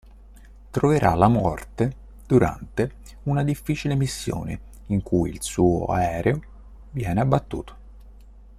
Troverà la morte durante una difficile missione in cui il suo aereo viene abbattuto.